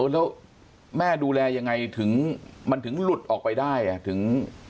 แล้วแม่ดูแลยังไงถึงมันถึงหลุดออกไปได้ถึง